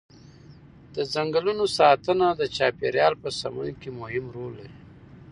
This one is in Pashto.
د ځنګلونو ساتنه د چاپیریال په سمون کې مهم رول لري.